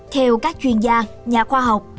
theo các chuyên gia nhà khoa học